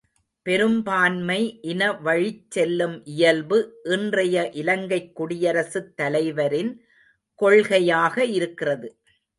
பெரும்பான்மை இனவழிச் செல்லும் இயல்பு இன்றைய இலங்கைக் குடியரசுத் தலைவரின் கொள்கையாக இருக்கிறது.